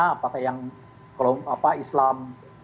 apakah yang kalau islam